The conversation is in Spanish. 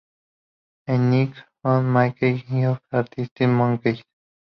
Y Nick O'Malley de Arctic Monkeys.